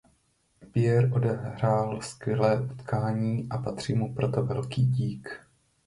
Pierre odehrál skvělé utkání a patří mu proto velký dík.